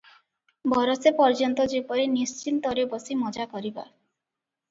ବରଷେ ପର୍ଯ୍ୟନ୍ତ ଯେପରି ନିଶ୍ଚିନ୍ତରେ ବସି ମଜା କରିବା ।